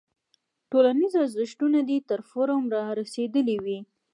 ټولنیز ارزښتونه دې تر فورم رارسېدلی وي.